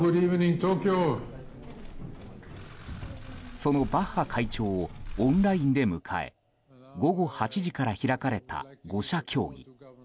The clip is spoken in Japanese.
そのバッハ会長をオンラインで迎え午後８時から開かれた５者協議。